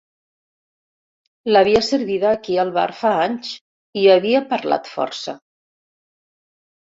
L'havia servida aquí al bar fa anys i hi havia parlat força.